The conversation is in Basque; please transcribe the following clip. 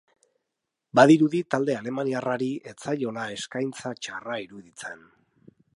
Badirudi talde alemaniarrari ez zaiola eskaintza txarra iruditzen.